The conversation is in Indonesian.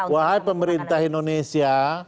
wahai pemerintah indonesia